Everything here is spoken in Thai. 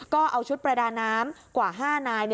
ก็เอาชุดประดาน้ำกว่า๕นาย